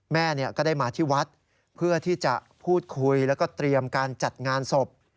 แม่ก็ได้มาที่วัดเพื่อที่จะพูดคุยแล้วก็เตรียมการจัดงานศพ